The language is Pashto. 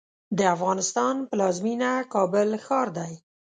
د افغانستان پلازمېنه کابل ښار دی.